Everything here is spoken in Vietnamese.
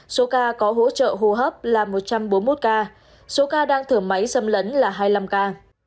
số ca có hỗ trợ hô hấp là một trăm bốn mươi một ca số ca đang thở máy xâm lấn là hai mươi năm ca